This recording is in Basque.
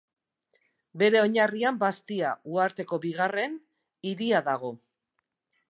Bere oinarrian Bastia, uharteko bigarren, hiria dago.